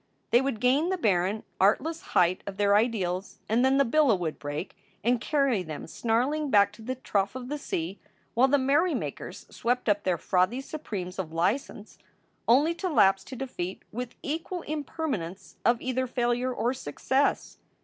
They would gain the barren, artless height of their ideals, and then the billow would break and carry them snarling back to the trough of the sea while the merrymakers swept up to their frothy supremes of license, only to lapse to defeat with equal impermanence of either failure or success.